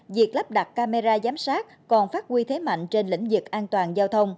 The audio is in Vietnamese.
việc lắp đặt camera giám sát còn phát huy thế mạnh trên lĩnh vực an toàn giao thông